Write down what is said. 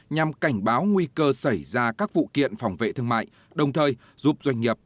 nhằm cảnh báo nguy cơ xảy ra các vụ kiện phòng vệ thương mại đồng thời giúp doanh nghiệp